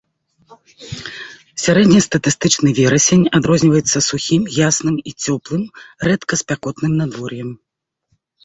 Сярэднестатыстычны верасень адрозніваецца сухім, ясным і цёплым, рэдка спякотным надвор'ем.